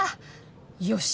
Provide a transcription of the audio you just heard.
よし！